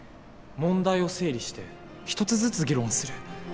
問題を整理して一つずつ議論する。